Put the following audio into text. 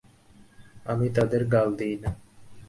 আমি তাদের গাল দিই না।